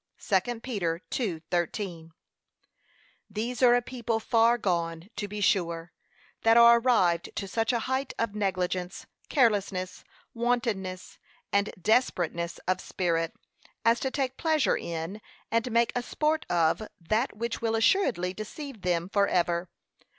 (2 Peter 2:13) These are a people far gone, to be sure, that are arrived to such a height of negligence, carelessness, wantonness, and desperateness of spirit, as to take pleasure in, and make a sport of, that which will assuredly deceive them for ever.